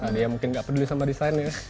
ada yang mungkin nggak peduli sama desainnya